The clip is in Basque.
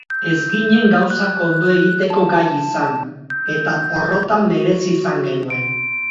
Ez ginen gauzak ondo egiteko gai izan, eta porrota merezi izan genuen.